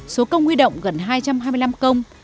số công huy động gần hai trăm hai mươi năm công